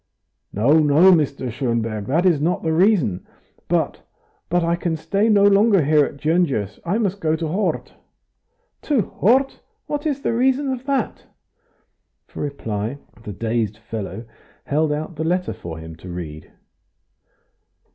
"No, no, Mr. Schonberg, that is not the reason. But but I can stay no longer here at Gyongos, I must go to Hort." "To Hort? What is the reason of that?" For reply the dazed fellow held out the letter for him to read.